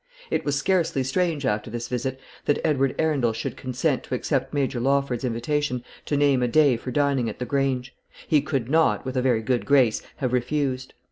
It was scarcely strange after this visit that Edward Arundel should consent to accept Major Lawford's invitation to name a day for dining at the Grange; he could not, with a very good grace, have refused.